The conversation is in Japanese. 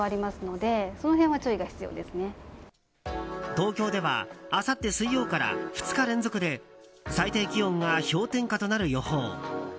東京ではあさって水曜日から２日連続で最低気温が氷点下となる予報。